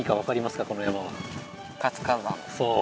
そう。